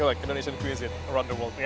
kalau kita kembali lagi ke restoran indonesia